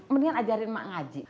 mendingan ajarin emak ngaji